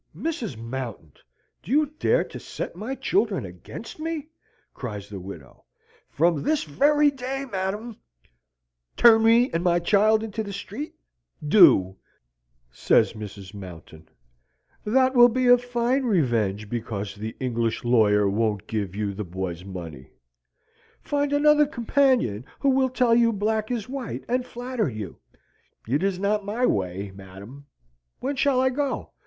"Mrs. Mountain, do you dare to set my children against me?" cries the widow. "From this very day, madam " "Turn me and my child into the street? Do," says Mrs. Mountain. "That will be a fine revenge because the English lawyer won't give you the boy's money. Find another companion who will tell you black is white, and flatter you: it is not my way, madam. When shall I go?